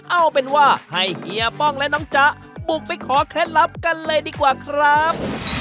เอาเป็นว่าให้เฮียป้องและน้องจ๊ะบุกไปขอเคล็ดลับกันเลยดีกว่าครับ